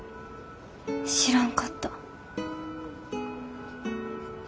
知らんかった。